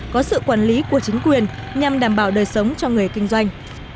có sự quản lý của chính quyền nhằm đảm bảo đời sống cho người kinh doanh